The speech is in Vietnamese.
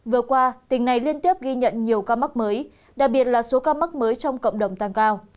vừa qua tỉnh này liên tiếp ghi nhận nhiều ca mắc mới đặc biệt là số ca mắc mới trong cộng đồng tăng cao